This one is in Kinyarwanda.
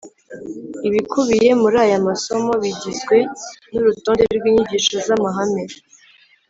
ibikubiye muri aya masomo bigizwe n'urutonde rw'inyigisho z'amahame